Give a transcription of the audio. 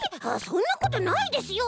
そんなことないですよ！